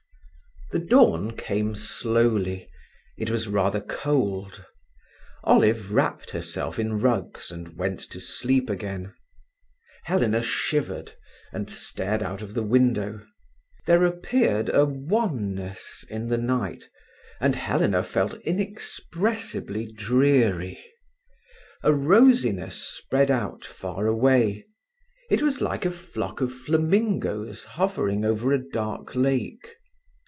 The dawn came slowly. It was rather cold. Olive wrapped herself in rugs and went to sleep again. Helena shivered, and stared out of the window. There appeared a wanness in the night, and Helena felt inexpressibly dreary. A rosiness spread out far away. It was like a flock of flamingoes hovering over a dark lake.